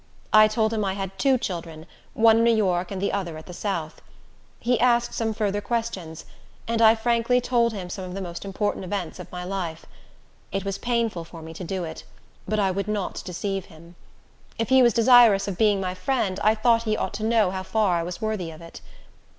I told him I had two children, one in New York the other at the south. He asked some further questions, and I frankly told him some of the most important events of my life. It was painful for me to do it; but I would not deceive him. If he was desirous of being my friend, I thought he ought to know how far I was worthy of it.